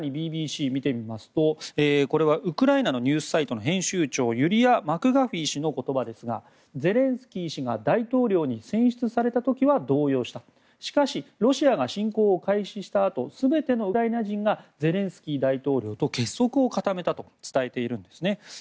更に、ＢＢＣを見てみますとこれは、ウクライナのニュースサイトの編集長、ユリア・マクガフィ氏の言葉ですがゼレンスキー氏が大統領に選出された時は動揺したしかし、ロシアが侵攻を開始したあと全てのウクライナ人がゼレンスキー大統領と結束を固めたと伝えているんですね。